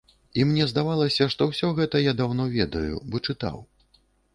І мне здавалася, што ўсё гэта я даўно ведаю, бо чытаў.